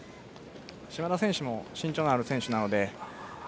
嶋田選手も身長のある選手なので。